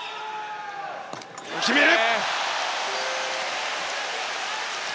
決める！